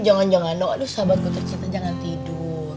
jangan jangan dong aduh sahabat gue tercinta jangan tidur